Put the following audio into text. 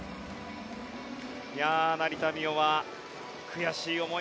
成田実生は悔しい思い